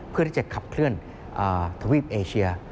เพื่อที่จะขับเคลื่อนทวีปเอเชีย